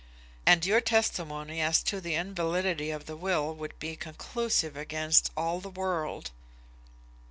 "And your testimony as to the invalidity of the will would be conclusive against all the world."